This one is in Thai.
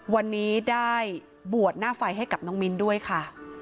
วันนี้ได้บวชหน้าไฟให้กับน้องมิ้นด้วยค่ะ